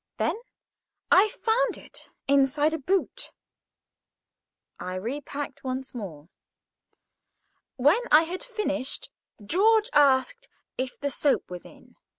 Then I found it inside a boot. I repacked once more. When I had finished, George asked if the soap was in.